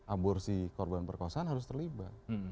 aborsi korban perkosaan harus terlibat